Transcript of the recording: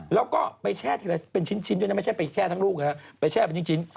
แล้วก็ไปแช่ทีละเป็นชิ้นด้วยนะไม่ใช่ไปแช่ทั้งลูกไปแช่เป็นชิ้น